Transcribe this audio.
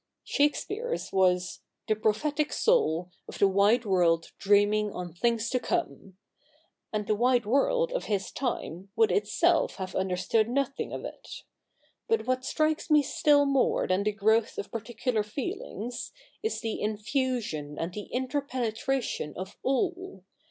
Shake speare's was The prophetic soul Of the wide world dreaming on things to come ;^ and the " wide world " of his time would itself have understood nothing of it. But what strikes me still more than the growth of particular feelings, is the infusion and the interpenetration of all.